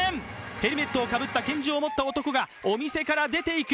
ヘルメットをかぶった拳銃を持った男がお店から出て行く。